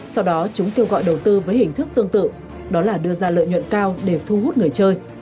sau đó chúng kêu gọi đầu tư với hình thức tương tự đó là đưa ra lợi nhuận cao để thu hút người chơi